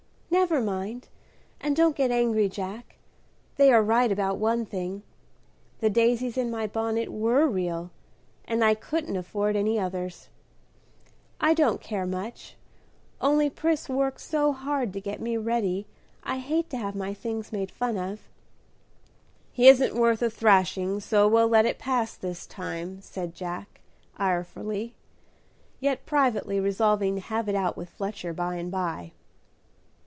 "Never mind, and don't get angry, Jack. They are right about one thing, the daisies in my bonnet were real, and I couldn't afford any others. I don't care much, only Pris worked so hard to get me ready I hate to have my things made fun of." "He isn't worth a thrashing, so we'll let it pass this time," said Jack, irefully, yet privately resolving to have it out with Fletcher by and by.